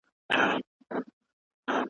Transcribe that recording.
دوامدار بدلون ثبات راولي.